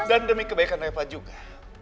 dan demi kebaikan reva juga